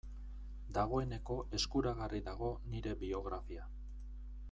Dagoeneko eskuragarri dago nire biografia.